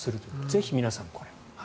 ぜひ皆さん、これを。